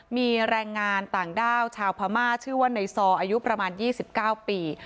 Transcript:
มีแรงงานต่างด้าวชาวพม่าชื่อว่าในซออายุประมาณ๒๙ปี